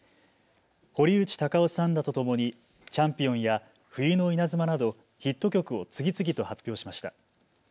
堀内孝雄さんらとともにチャンピオンや冬の稲妻などヒット曲を次々と発表しました。